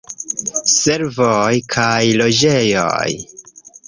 Servoj kaj loĝejoj.